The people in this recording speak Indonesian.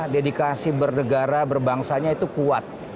dedikasi bernegara berbangsanya itu kuat